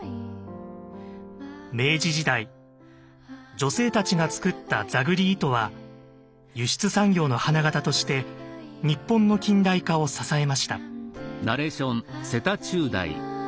明治時代女性たちが作った座繰り糸は輸出産業の花形として日本の近代化を支えました。